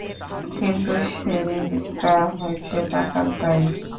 কিন্তু সেটা হয়েছে টাকার দায়ে।